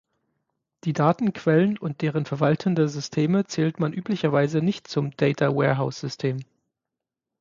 Die Datenquellen und deren verwaltende Systeme zählt man üblicherweise nicht zum Data-Warehouse-System.